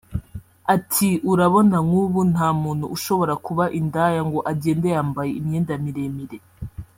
Ati″Urabona nk’ubu nta muntu ushobora kuba indaya ngo agende yambaye imyenda miremire